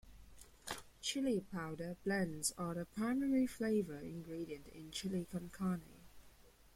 Chili powder blends are the primary flavor ingredient in chili con carne.